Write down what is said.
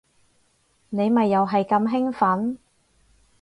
你咪又係咁興奮